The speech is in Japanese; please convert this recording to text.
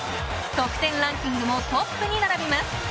得点ランキングもトップに並びます。